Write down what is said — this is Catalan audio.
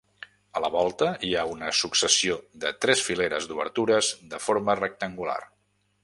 A la volta hi ha una successió de tres fileres d'obertures de forma rectangular.